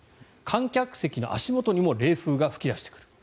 観客席の足元にも冷風が吹き出してくる。